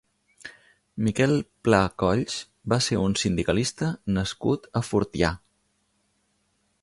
Miquel Pla Colls va ser un sindicalista nascut a Fortià.